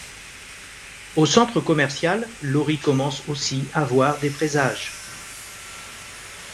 Au centre commercial, Lori commence aussi à voir des présages.